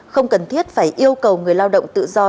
không cần thiết phải yêu cầu người lao động tự do